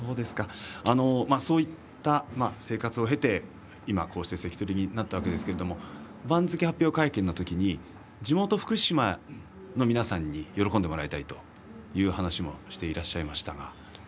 そういった生活を経て今こうして関取になったわけですけど番付発表の会見の時に地元、福島の皆さんに喜んでもらいたいという話をしていらっしゃいました。